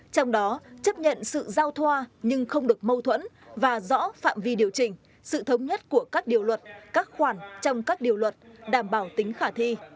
trong đó chấp nhận sự giao thoa nhưng không được mâu thuẫn và rõ phạm vi điều chỉnh sự thống nhất của các điều luật các khoản trong các điều luật đảm bảo tính khả thi